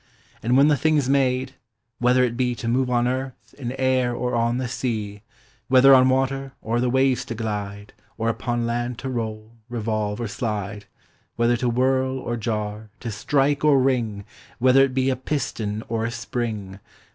01 And when the thing is made,— whether it be To move on earth, in air, or on the sea; Whether on water, o'er the waves to glide, Or upon laud to roll, revolve, or slide; Whether to whirl or jar, to strike or ring, Whether it be a piston or a spring.